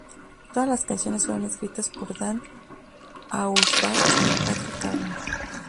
Todas las canciones fueron escritas por Dan Auerbach y Patrick Carney.